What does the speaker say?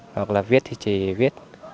hoặc là viết thì chỉ viết